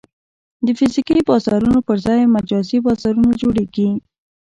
د فزیکي بازارونو پر ځای مجازي بازارونه جوړېږي.